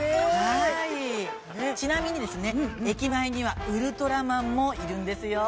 ちなみに駅前にはウルトラマンもいるんですよ。